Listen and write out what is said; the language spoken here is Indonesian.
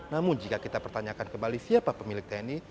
namun jika kita pertanyakan kembali siapa pemilik tni